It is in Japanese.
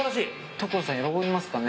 所さん喜びますかね？